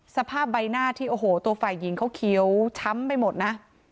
สภาพใบหน้าที่โอ้โหตัวฝ่ายหญิงเขาเขียวช้ำไปหมดนะ